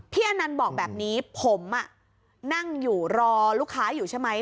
อนันต์บอกแบบนี้ผมนั่งอยู่รอลูกค้าอยู่ใช่ไหม